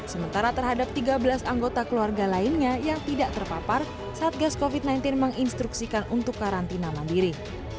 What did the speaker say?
sementara terhadap tiga belas anggota keluarga lainnya yang tidak terpapar satgas covid sembilan belas menginstruksikan untuk karantina mandiri